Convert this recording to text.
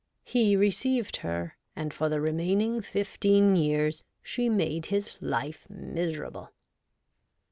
He received her, and for the remaining fifteen years she made his life miserable.